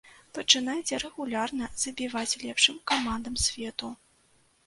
Пачынайце рэгулярна забіваць лепшым камандам свету.